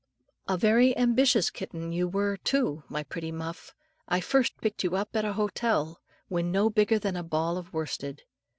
] A very ambitious kitten you were, too, my pretty Muff. I first picked you up at an hotel, when no bigger than a ball of worsted.